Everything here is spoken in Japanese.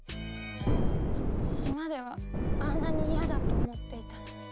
島ではあんなに嫌だと思っていたのに。